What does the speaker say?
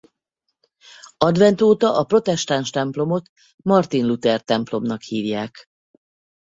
Advent óta a protestáns templomot Martin Luther templomnak hívják.